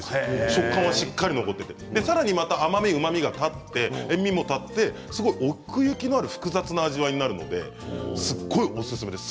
食感は、しっかり残っていてさらに甘み、うまみが立って塩みも立って奥行きのある複雑な味わいになるので、すごいおすすめです。